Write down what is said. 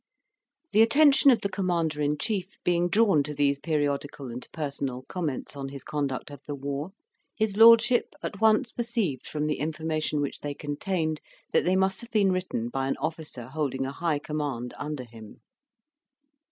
The attention of the Commander in Chief being drawn to these periodical and personal comments on his conduct of the war, his lordship at once perceived from the information which they contained that they must have been written by an officer holding a high command under him.